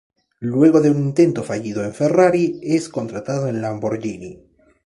Luego de un intento fallido en Ferrari, es contratado en Lamborghini.